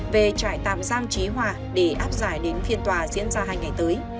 về trại tạm giam trí hòa để áp giải đến phiên tòa diễn ra hai ngày tới